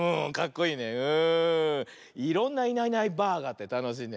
いろんな「いないいないばあ！」があってたのしいね。